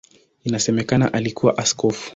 Inasemekana alikuwa askofu.